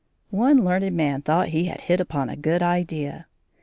] One learned man thought he had hit upon a good idea.